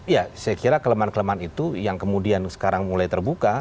ya saya kira kelemahan kelemahan itu yang kemudian sekarang mulai terbuka